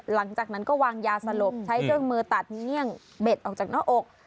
หลังจากนั้นก็วางยาสลบใช้เครื่องมือตัดเมี่ยงเบ็ดออกจากหน้าอก